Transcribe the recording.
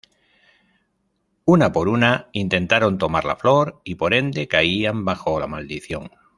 Una por una intentaron tomar la flor y por ende caían bajo la maldición.